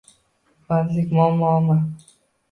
Bandlik muammomi?